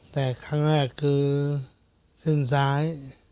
แต่ครั้งแรกคือเส้นซ้าย